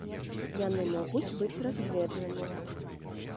Яны могуць быць разгледжаныя.